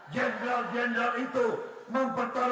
jenderal jenderal itu mempertaruhkan nyawanya dari sejak muda